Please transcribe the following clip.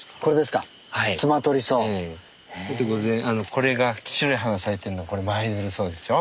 これが白い花咲いてるのがマイヅルソウでしょ